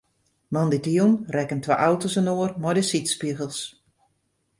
Moandeitejûn rekken twa auto's inoar mei de sydspegels.